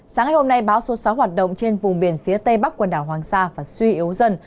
sáng ngày hôm nay bão số sáu hoạt động trên vùng biển phía tây bắc quần đảo hoàng sa và suy yếu dần